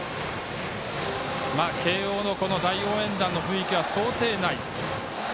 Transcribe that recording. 慶応の大応援団の雰囲気は想定内。